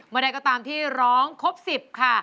ใดก็ตามที่ร้องครบ๑๐ค่ะ